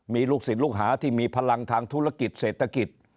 มีลูกศิษย์ลูกหาที่มีพลังทางธุรกิจเศรษฐกิจ